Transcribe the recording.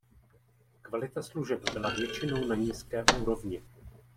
Kvalita služeb byla většinou na nízké úrovni.